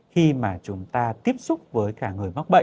khi mà chúng ta tiếp xúc với cả người